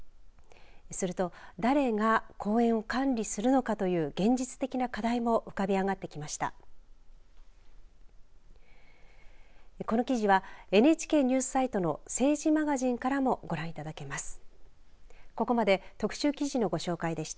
すると、誰が公園を管理するのかという現実的な課題も浮かび上がってきました。